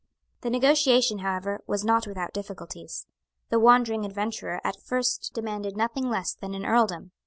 The negotiation however was not without difficulties. The wandering adventurer at first demanded nothing less than an earldom.